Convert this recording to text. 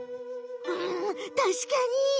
うんたしかに！